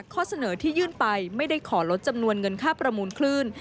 ข้อเสนอที่ยื่นไปไม่ได้ขอลดจำนวนเงินค่าประมูลคลื่น